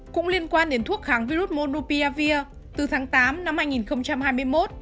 cũng liên quan đến thuốc kháng virus monupiavir từ tháng tám năm hai nghìn hai mươi một